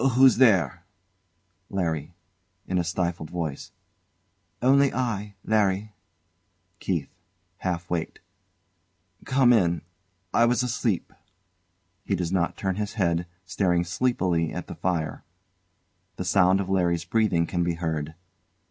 Who's there? LARRY. [In a stifled voice] Only I Larry. KEITH. [Half waked] Come in! I was asleep. [He does not turn his head, staring sleepily at the fire.] The sound of LARRY's breathing can be heard.